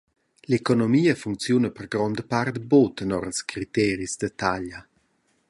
L’economia funcziuna per gronda part buca tenor ils criteris da taglia.